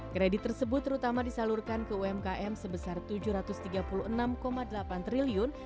kredit tersebut terutama disalurkan ke umkm sebesar rp tujuh ratus tiga puluh enam delapan triliun